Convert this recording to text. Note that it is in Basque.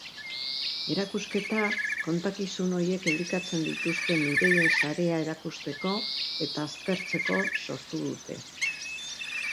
Erakusketa kontakizun horiek elikatzen dituzten ideien sarea erakusteko eta aztertzeko sortu dute.